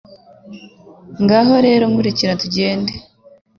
Ngaho rero nkurikira tugende